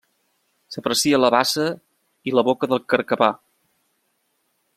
S'aprecia la bassa i la boca del carcabà.